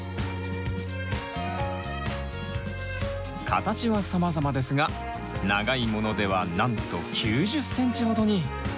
形はさまざまですが長いものではなんと９０ｃｍほどに！